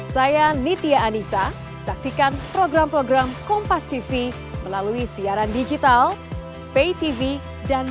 saya nitia anissa saksikan program program kompas tv melalui siaran digital pay tv dan